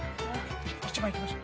１番いきましょう。